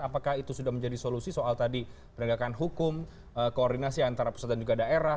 apakah itu sudah menjadi solusi soal tadi penegakan hukum koordinasi antara pusat dan juga daerah